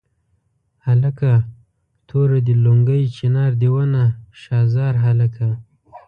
هلکه توره دې لونګۍ چنار دې ونه شاه زار هلکه.